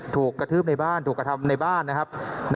ถูกกระทืบในบ้านถูกกระทำในบ้านนะครับ